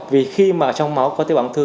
vì khi mà trong máu có tế bào ung thư